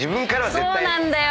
そうなんだよ！